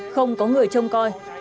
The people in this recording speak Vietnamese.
không có người trông coi